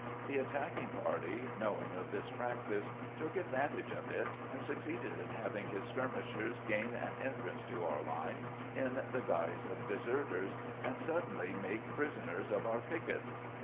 The attacking party, knowing of this practice, took advan tage of it, and succeeded in having his skirmishers gain an entrance to our lines in the guise of deserters, and suddenly make prisoners of our pickets.